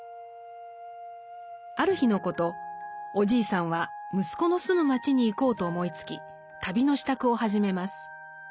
ある日のことおじいさんは息子の住む町に行こうと思いつき旅の支度を始めます。